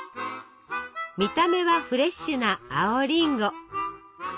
見た目はフレッシュな青りんご。